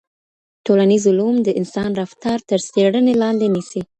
ټولنیز علوم د انسان رفتار تر څېړني لاندي نیسي.